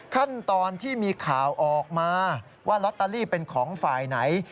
ขั้นตอนที่มีข่าวออกมาว่าลอตเตอรี่เป็นของฝ่ายไหน